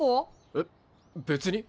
えっ別に。